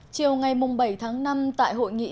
chiều ngày bảy tháng năm tại hội nghị